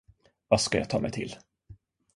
Vad ska jag ta mig till?